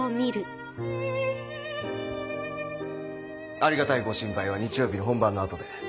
ありがたいご心配は日曜日の本番の後で。